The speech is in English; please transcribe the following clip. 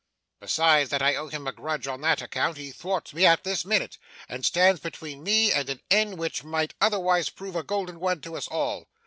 Besides that I owe him a grudge on that account, he thwarts me at this minute, and stands between me and an end which might otherwise prove a golden one to us all.